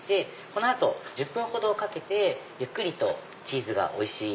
この後１０分ほどかけてゆっくりとチーズがおいしい